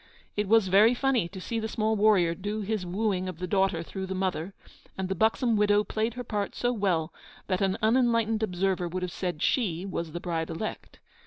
It was very funny to see the small warrior do his wooing of the daughter through the mother; and the buxom widow played her part so well that an unenlightened observer would have said she was the bride elect.